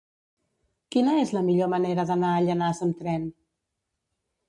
Quina és la millor manera d'anar a Llanars amb tren?